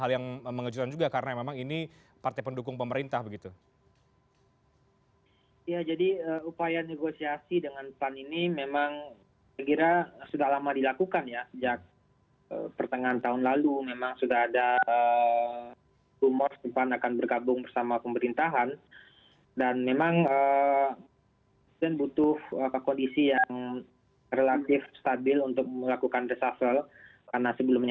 yang saya sampaikan presiden butuh